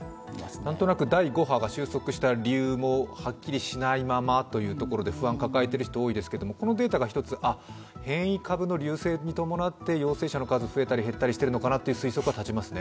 なんとなく第５波が収束した理由もはっきりしないまま不安を抱えている人は多いですけど、このデータが変異株の隆盛に伴って陽性者の数が増えたり減ったりしているのかなという推測は立ちますね。